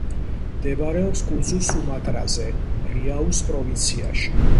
მდებარეობს კუნძულ სუმატრაზე, რიაუს პროვინციაში.